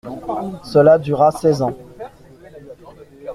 Cela dura seize ans.